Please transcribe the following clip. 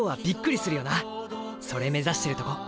それ目指してるとこ。